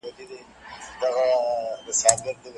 ایا لویدیځوالو اقتصاد رامنځته کړ؟